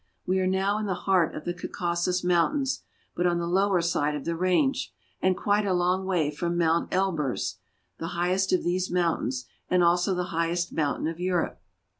We are now in the heart of the Caucasus Mountains, but on the lower side of the range, and quite a long way from Mount Elburz, the highest of these mountains, and also the highest mountain of Europe.